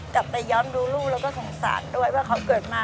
กลับไปย้อนดูลูกแล้วก็สงสารด้วยว่าเขาเกิดมา